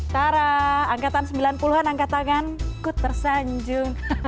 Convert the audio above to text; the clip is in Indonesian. taraaa angkatan sembilan puluh an angkatan ku tersanjung